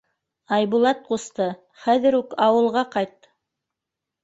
— Айбулат ҡусты, хәҙер үк ауылға ҡайт.